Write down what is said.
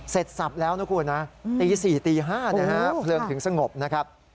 สับแล้วนะคุณนะตี๔ตี๕นะฮะเพลิงถึงสงบนะครับ